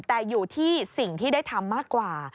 แต่อยู่ที่สิ่งที่ได้ทำมากกว่า